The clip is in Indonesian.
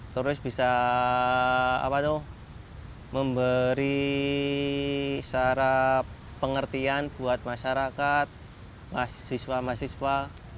terus bisa memberi cara pengertian buat masyarakat mahasiswa mahasiswa